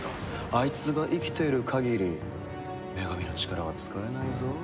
あいつが生きている限り女神の力は使えないぞ。